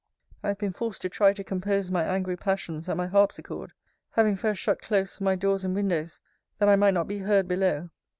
I have been forced to try to compose my angry passions at my harpsichord; having first shut close my doors and windows, that I might not be heard below.